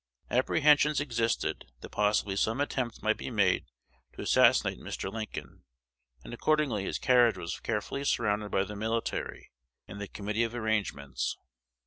Apprehensions existed, that possibly some attempt might be made to assassinate Mr. Lincoln; and accordingly his carriage was carefully surrounded by the military and the Committee of Arrangements.